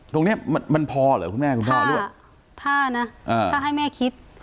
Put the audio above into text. ตรงนี้มันพอหรอคุณแม่คุณพ่อถ้านะถ้าให้แม่คิด